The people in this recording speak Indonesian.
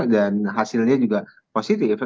dan hasilnya juga positif